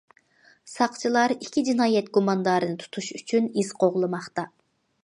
ساقچىلار ئىككى جىنايەت گۇماندارىنى تۇتۇش ئۈچۈن ئىز قوغلىماقتا.